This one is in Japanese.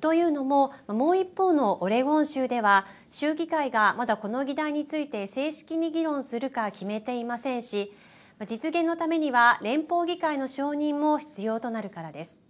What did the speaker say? と言うのももう一方のオレゴン州では州議会がまだこの議題について正式に議論するか決めていませんし実現のためには連邦議会の承認も必要となるからです。